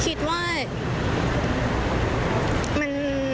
คิดว่า